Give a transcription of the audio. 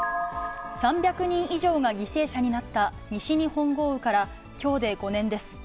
３００人以上が犠牲者になった西日本豪雨からきょうで５年です。